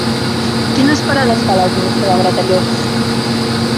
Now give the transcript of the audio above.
Quines parades fa l'autobús que va a Gratallops?